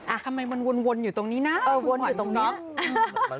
อ่าทำไมมันวนอยู่ตรงนี้นะคุณหวันคุณน๊อบ